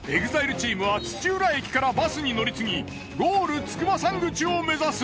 チームは土浦駅からバスに乗り継ぎゴール筑波山口を目指す。